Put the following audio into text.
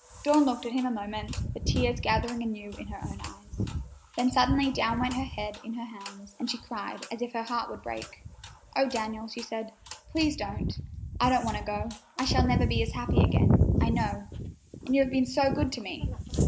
Dawn looked at him a moment, the tears gathering anew in her own eyes; then suddenly down went her head in her hands, and she cried as if her heart would break. "Oh, Daniel," she said, "please don't! I don't want to go. I shall never be as happy again, I know, and you have been so good to me!